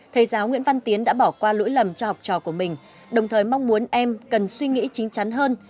thầy giáo nguyễn văn tiến đã bỏ qua lỗi lầm cho học trò của mình đồng thời mong muốn em cần suy nghĩ chính chắn hơn